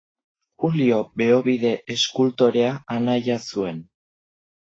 Julio Beobide eskultorea anaia zuen.